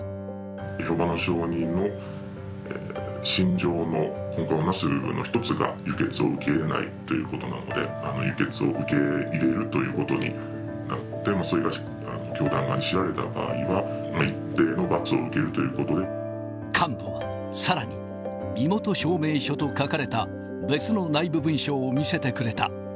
エホバの証人の信条の根幹をなす一つが、輸血を受け入れないということなので、輸血を受け入れるということになって、それが教団側に知られた場合は、一定の幹部はさらに、身元証明書と書かれた別の内部文書を見せてくれた。